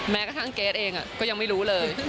แม้กระทั่งเกรทเองก็ยังไม่รู้เลย